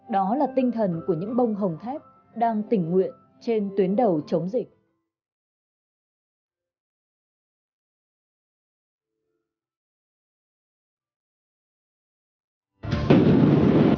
đó là tinh thần của những bông hồng thép đang tình nguyện trên tuyến đầu chống dịch